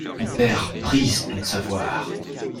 Son père prise ton savoir.